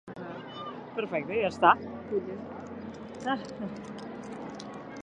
A cops de colze.